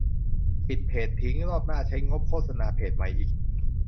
ปิดเพจทิ้ง รอบหน้าใช้งบโฆษณาเพจใหม่อีก ?